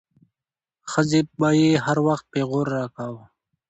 ښځې به يې هر وخت پيغور راکاوه.